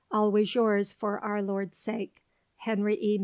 Always yours for our Lord's sake, HENRY E.